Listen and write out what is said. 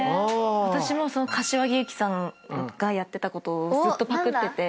私も柏木由紀さんがやってたことずっとパクってて。